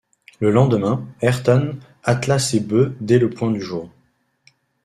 Le lendemain, Ayrton attela ses bœufs dès le point du jour.